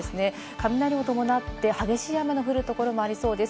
雷を伴って、激しく雨が降るところもありそうです。